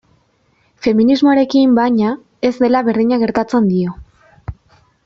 Feminismoarekin, baina, ez dela berdina gertatzen dio.